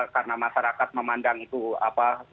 karena masyarakat memandang itu apa